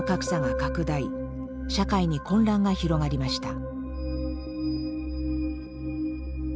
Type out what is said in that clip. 社会に混乱が広がりました。